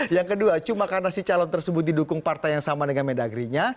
yang kedua cuma karena si calon tersebut didukung partai yang sama dengan mendagri nya